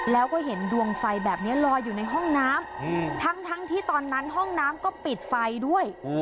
แล้วก็เห็นดวงไฟแบบนี้ลอยอยู่ในห้องน้ำทั้งที่ตอนนั้นห้องน้ำก็ปิดไฟด้วย